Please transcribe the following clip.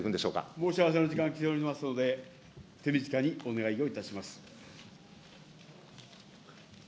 申し合わせの時間が来ておりますので、手短にお願いします。